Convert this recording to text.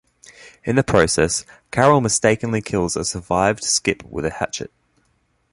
In the process, Carol mistakenly kills a survived Skip with a hatchet.